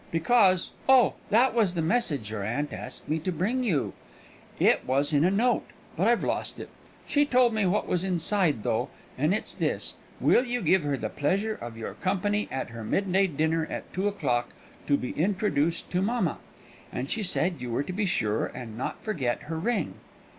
"Because oh, that was the message your aunt asked me to bring you; it was in a note, but I've lost it. She told me what was inside though, and it's this. Will you give her the pleasure of your company at her mid day dinner at two o'clock, to be introduced to mamma? And she said you were to be sure and not forget her ring."